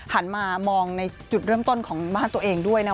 หันมามองในจุดเริ่มต้นของบ้านตัวเองด้วยนะ